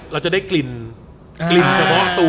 เราจะได้กลิ่นกลิ่นเฉพาะตัว